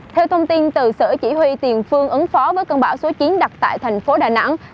theo thông tin từ sở chỉ huy tiền phương ứng phó với cơn bão số chín đặt tại thành phố đà nẵng